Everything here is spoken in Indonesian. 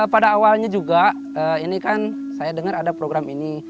pada awalnya juga ini kan saya dengar ada program ini